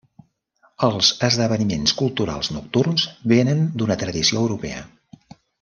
Els esdeveniments culturals nocturns vénen d'una tradició europea.